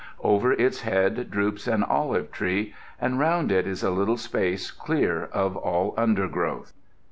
Over its head droops an olive tree, and round it is a little space clear of all undergrowth.